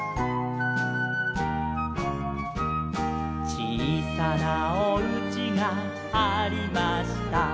「ちいさなおうちがありました」